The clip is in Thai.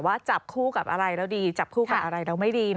ว่าจับคู่กับอะไรเราดีจับคู่กับอะไรเราไม่ดี